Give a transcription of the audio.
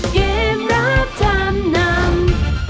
เกมรับทางน้ำ